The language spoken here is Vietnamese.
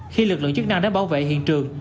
khi lực lượng chức năng đã bảo vệ hiện trường